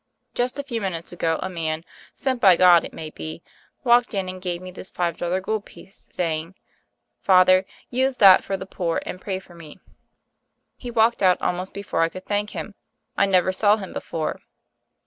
"Just a few minutes ago, a man — sent by God, it may be — ^walked in and gave me this five dollar gold piece, saying, 'Father, use that for the poor, and pray for me.' He walked out al most before I could thank him. I never saw him before."